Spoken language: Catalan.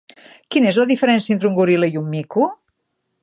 Quina és la diferència entre un goril·la i un mico?